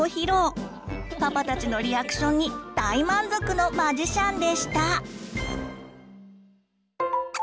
パパたちのリアクションに大満足のマジシャンでした！